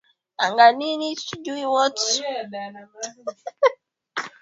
Imetayarishwa na Kennes Bwire, Sauti ya Amerika, Washington Wilaya ya Columbia .